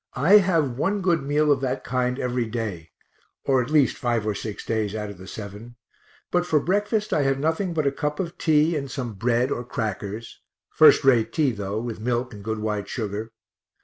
I have one good meal of that kind every day, or at least five or six days out of the seven but for breakfast I have nothing but a cup of tea and some bread or crackers (first rate tea though, with milk and good white sugar).